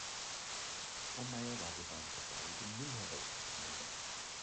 Frau Meier war gerade dabei, den Müll herauszubringen.